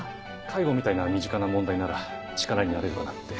介護みたいな身近な問題なら力になれるかなって。